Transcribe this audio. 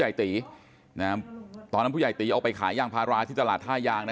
ตีนะตอนนั้นผู้ใหญ่ตีออกไปขายยางพาราที่ตลาดท่ายางนะ